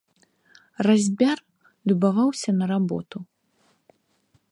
Разьбяр любаваўся на работу.